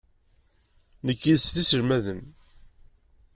Nekk yid-s d iselmaden.